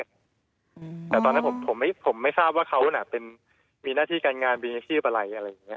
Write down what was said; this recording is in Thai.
แต่ตอนนั้นผมไม่ทราบว่าเขาน่ะเป็นมีหน้าที่การงานมีอาชีพอะไรอะไรอย่างเงี้